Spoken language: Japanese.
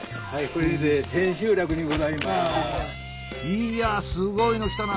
いやあすごいのきたな。